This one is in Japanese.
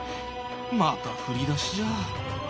また振り出しじゃ。